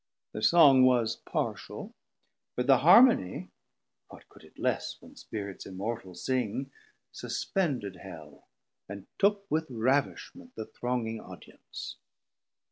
Thir song was partial, but the harmony (What could it less when Spirits immortal sing?) Suspended Hell, and took with ravishment The thronging audience.